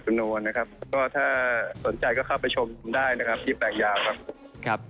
ก็ถ้าสนใจก็เข้าไปชมได้นะครับที่แปลงยาวครับ